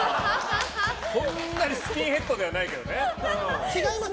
こんなにスキンヘッドではないけどね。違います。